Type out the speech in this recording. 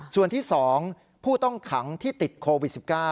ส่วนที่๒ผู้ต้องขังที่ติดโควิด๑๙